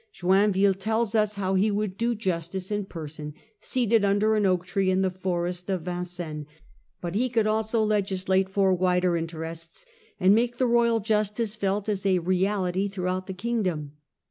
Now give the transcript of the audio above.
Joinville tells how he would do justice in person, seated under an oak tree in the forest of Vincennes, but he could also legislate for wider interests, and make the royal justice felt as a reality throughout the kingdom.